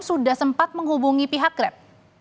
sudah sempat menghubungi pihak grab